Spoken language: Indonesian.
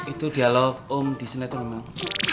itu dialog om di sinetron emang